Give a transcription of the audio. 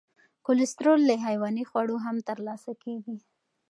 کلسترول له حیواني خوړو هم تر لاسه کېږي.